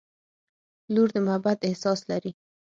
• لور د محبت احساس لري.